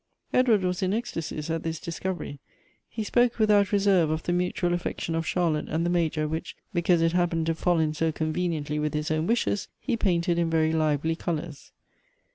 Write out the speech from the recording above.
Edward was in ecstacies at this discovery, he spoke with out reserve of the mutual affection of Charlotte and the Major, which, because it happened to fall in so conven iently with his own wishes, he painted in very lively colors.